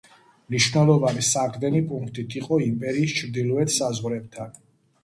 მნიშვნელოვანი საყრდენი პუნქტი იყო იმპერიის ჩრდილოეთ საზღვრებთან.